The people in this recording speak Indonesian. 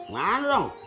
nggak ada dong